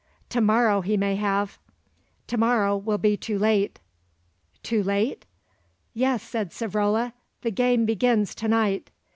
"To morrow he may have." "To morrow will be too late." "Too late?" "Yes," said Savrola; "the game begins to night."